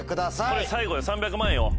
これ最後よ３００万よ。